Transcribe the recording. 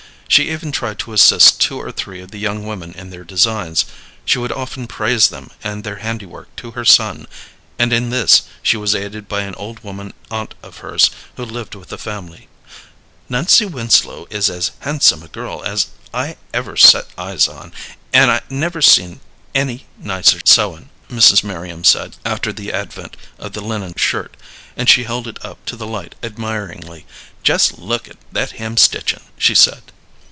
She even tried to assist two or three of the young women in their designs; she would often praise them and their handiwork to her son and in this she was aided by an old woman aunt of hers who lived with the family. "Nancy Winslow is as handsome a girl as ever I set eyes on, an' I never see any nicer sewin'," Mrs. Merriam said, after the advent of the linen shirt, and she held it up to the light admiringly. "Jest look at that hem stitchin'!" she said.